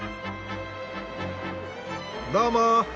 どうも！